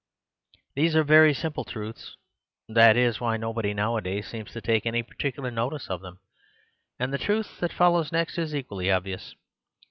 These are very simple truths; that is why nobody nowadays seems to take any particular notice of them; and the truth that follows next is equally obvious.